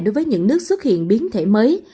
đối với những nước xuất hiện biến thể mới